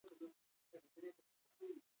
Ibiltari gauean, logale goizean.